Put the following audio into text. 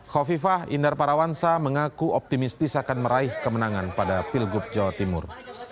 kofifah indar parawansa mengaku optimistis akan meraih kemenangan pada pilgub jawa timur